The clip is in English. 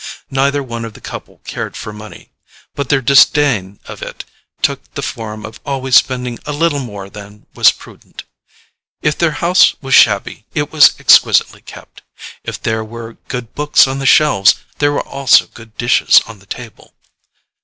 Neither one of the couple cared for money, but their disdain of it took the form of always spending a little more than was prudent. If their house was shabby, it was exquisitely kept; if there were good books on the shelves there were also good dishes on the table.